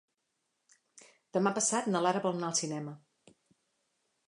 Demà passat na Lara vol anar al cinema.